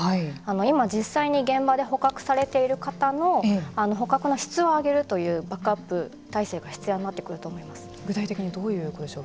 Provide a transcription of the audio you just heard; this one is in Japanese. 今、実際に現場で捕獲されている方の捕獲の質を上げるというバックアップ体制が具体的にどういうことでしょう。